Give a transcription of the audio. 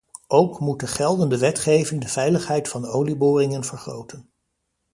Ook moet de geldende wetgeving de veiligheid van olieboringen vergroten.